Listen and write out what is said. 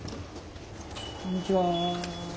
こんにちは。